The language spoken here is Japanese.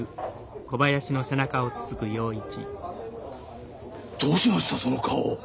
どうしましたその顔！？